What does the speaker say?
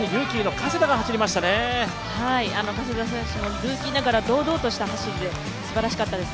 加世田選手もルーキーながら堂々とした走りですばらしかったです。